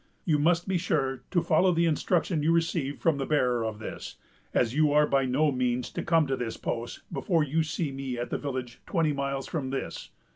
You must be sure to follow the instruction you receive from the bearer of this, as you are by no means to come to this post before you see me at the village, twenty miles from this....